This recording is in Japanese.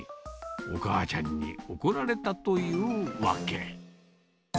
お母ちゃんに怒られたというわけ。